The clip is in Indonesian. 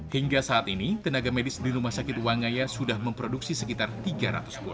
hingga saat ini tenaga medis di rumah sakit wangaya sudah memproduksi sekitar tiga ratus buah